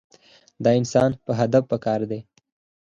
د انسان پۀ هدف پکار دے -